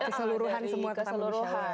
keseluruhan semua tentang baby shower